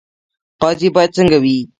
قاضي باید څنګه وي؟